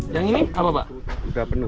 yang ini apa pak